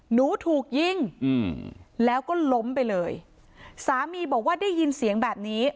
หนูถูกยิงอืมแล้วก็ล้มไปเลยสามีบอกว่าได้ยินเสียงแบบนี้